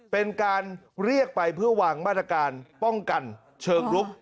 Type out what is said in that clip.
เป็นการเรียกไปเพื่อวางมาตรการป้องกันเชิงลุก